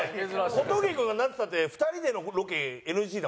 小峠君がなんていったって２人でのロケＮＧだもんね。